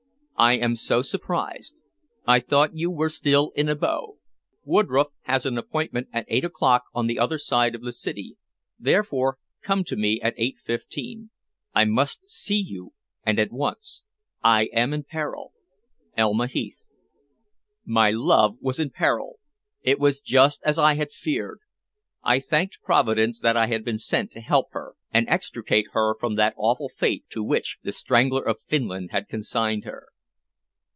_I am so surprised. I thought you were still in Abo. Woodroffe has an appointment at eight o'clock on the other side of the city, therefore come to me at 8.15. I must see you, and at once. I am in peril_. ELMA HEATH. My love was in peril! It was just as I had feared. I thanked Providence that I had been sent to help her and extricate her from that awful fate to which "The Strangler of Finland" had consigned her.